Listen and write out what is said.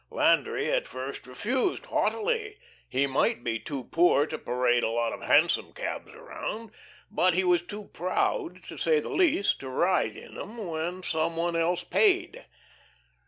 Landry at first refused, haughtily. He might be too poor to parade a lot of hansom cabs around, but he was too proud, to say the least, to ride in 'em when some one else paid.